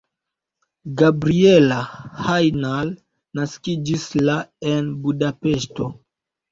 Gabriella Hajnal naskiĝis la en Budapeŝto.